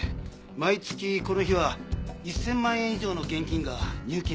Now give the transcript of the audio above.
毎月この日は１０００万円以上の現金が入金されます。